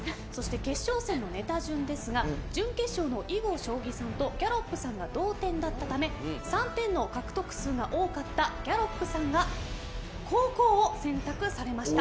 決勝戦のネタ順ですが準決勝の囲碁将棋さんとギャロップさんが同点だったため３点の獲得数が多かったギャロップさんが後攻を選択されました。